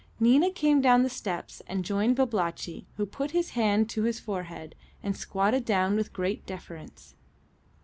Nina came down the steps and joined Babalatchi, who put his hand to his forehead, and squatted down with great deference.